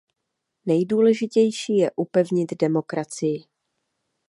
Nejdůležitější je upevnit demokracii.